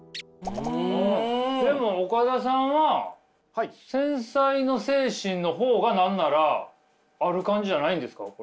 でも岡田さんは繊細の精神の方が何ならある感じじゃないんですか？